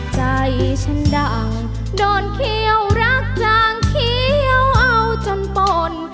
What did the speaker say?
ใจฉันดังโดนเคี้ยวรักจางเขียวเอาจนปน